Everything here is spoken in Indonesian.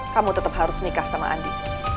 kamu tetap harus nikah sama andi